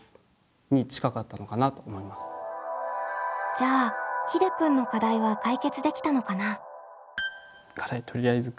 じゃあひでくんの課題は解決できたのかな？